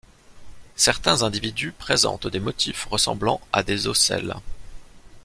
Certains individus présentent des motifs ressemblant à des ocelles.